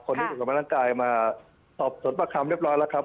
คนที่ถูกกำลังกายมาสอบสนประคัมเรียบร้อยแล้วครับ